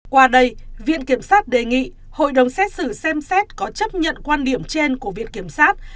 qua đây viện kiểm sát đề nghị hội đồng xét xử xem xét có chấp nhận quan điểm trên của viện kiểm sát